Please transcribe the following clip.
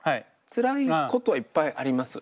つらいことはいっぱいあります。